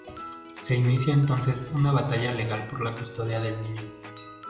Se inicia, entonces una batalla legal por la custodia del niño.